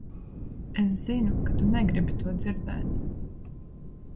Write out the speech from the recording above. Es zinu, ka tu negribi to dzirdēt.